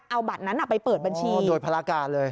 เอาบัตรนั้นไปเปิดบัญชีโดยภารการเลย